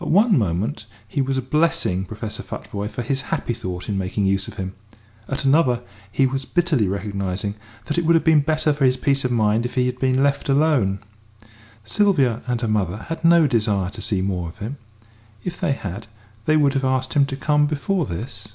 At one moment he was blessing Professor Futvoye for his happy thought in making use of him; at another he was bitterly recognising that it would have been better for his peace of mind if he had been left alone. Sylvia and her mother had no desire to see more of him; if they had, they would have asked him to come before this.